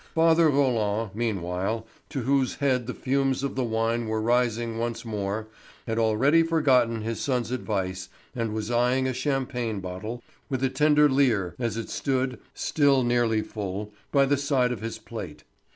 Father Roland meanwhile, to whose head the fumes of the wine were rising once more, had already forgotten his son's advice and was eyeing a champagne bottle with a tender leer as it stood, still nearly full, by the side of his plate.